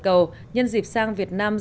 chủ tịch hãng kiểm toán ngoại truyền thống